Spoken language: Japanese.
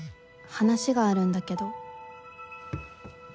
「話があるんだけど」